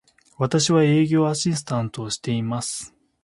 私は、営業アシスタントをしています。